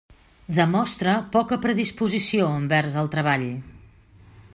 Demostra poca predisposició envers el treball.